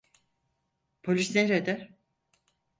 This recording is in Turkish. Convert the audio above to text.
Polis nerede?